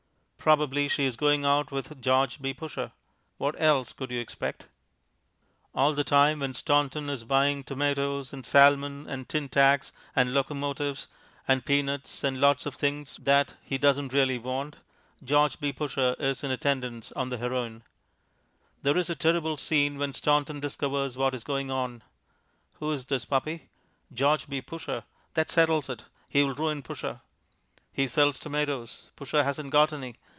Probably she is going out with George B. Pusher. What else could you expect? All the time when Staunton is buying Tomatoes and Salmon and Tintacks and Locomotives and Peanuts and lots of things that he doesn't really want, George B. Pusher is in attendance on the Heroine. There is a terrible scene when Staunton discovers what is going on. Who is this puppy? George B. Pusher? That settles it. He will ruin Pusher. He sells Tomatoes. Pusher hasn't got any.